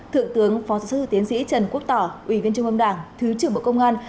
thượng tướng phó sư tiến sĩ trần quốc tỏ ủy viên trung ương đảng thứ trưởng bộ công an